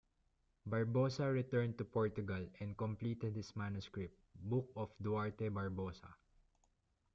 Barbosa returned to Portugal and completed his manuscript, "Book of Duarte Barbosa".